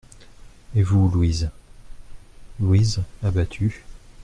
Et vous, Louise ? LOUISE, abattue.